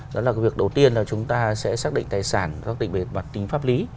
đó là cái việc đầu tiên là chúng ta sẽ xác định tài sản xác định về mặt tính pháp lý